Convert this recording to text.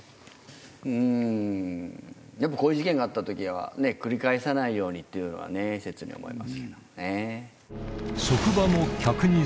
うんやっぱこういう事件があった時は繰り返さないようにというのは切に思いますけどもね。